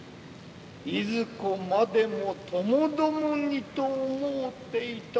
いずこまでもともどもにと思うていたなれ